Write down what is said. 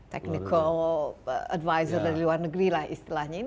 technical advisor dari luar negeri lah istilahnya